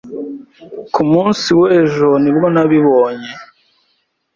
Ku munsi w'ejo ni bwo nabibonye.